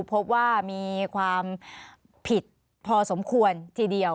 พบว่ามีความผิดพอสมควรทีเดียว